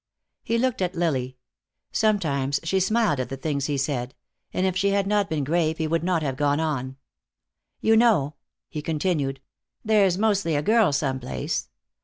He looked at Lily. Sometimes she smiled at things he said, and if she had not been grave he would not have gone on. "You know," he continued, "there's mostly a girl some place.